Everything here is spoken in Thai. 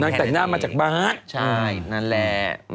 แต่งหน้ามาจากบ้านใช่นั่นแหละ